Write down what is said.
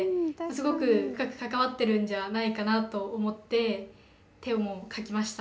すごく深く関わってるんじゃないかなと思って手も描きました。